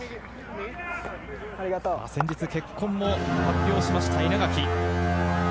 先日、結婚も発表しました、稲垣。